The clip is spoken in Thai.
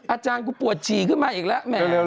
อาจารย์กูปวดฉี่ขึ้นมาอีกแล้วแหม